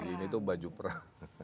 ini tuh baju perang